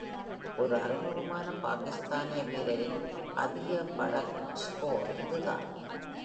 ஒரு அறிமுகமான பாகிஸ்தானிய வீரரின் அதிகபடச் ஸ்கோர் இதுதான்.